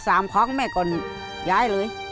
สามครั้งแม่ก่อนย้ายเลย